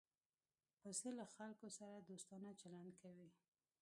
پسه له خلکو سره دوستانه چلند کوي.